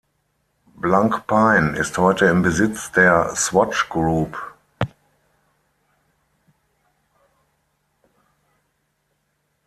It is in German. Blancpain ist heute im Besitz der Swatch Group.